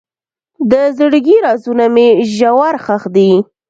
د زړګي رازونه مې ژور ښخ دي.